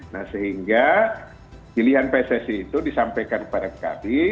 nah sehingga pilihan pssi itu disampaikan kepada kami